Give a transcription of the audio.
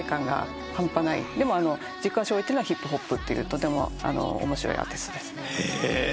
でも軸足を置いてるのはヒップホップというとても面白いアーティストです。